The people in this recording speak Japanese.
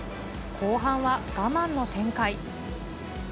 後半は我慢の展開。